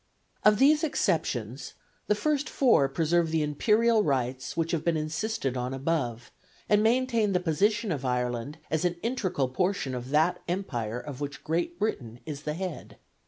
Of these exceptions the first four preserve the imperial rights which have been insisted on above, and maintain the position of Ireland as an integral portion of that Empire of which Great Britain is the head.